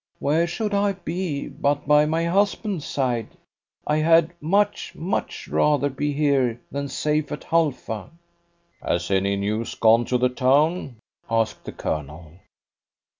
"Where should I be but by my husband's side? I had much, much rather be here than safe at Halfa." "Has any news gone to the town?" asked the Colonel.